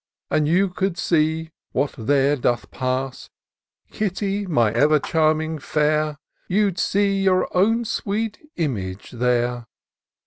And you could see what there doth pass, Kitty, my ever charming fair ! You'd see your own sweet image there."